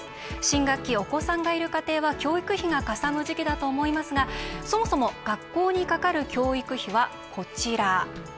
新学期、お子さんがいる家庭は教育費がかさむ時期だと思いますがそもそも学校にかかる教育費は、こちら。